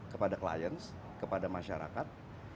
kepada clients kepada masyarakat